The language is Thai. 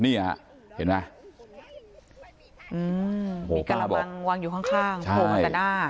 นี่อ่ะเห็นไหมมีการบังวังอยู่ข้างโครงตะด้า